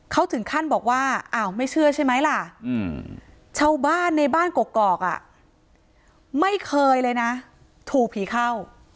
เขาถึงขั้นบอกว่าอ้าวไม่เชื่อใช่ไหมล่ะชาวบ้านในบ้านกอกไม่เคยเลยนะถูกผีเข้า